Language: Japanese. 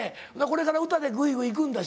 これから歌でグイグイいくんだ？